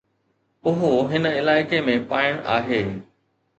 اهو هن علائقي ۾ پائڻ آهي.